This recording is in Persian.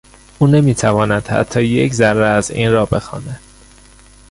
او نمیتواند حتی یک ذره از این را بخواند.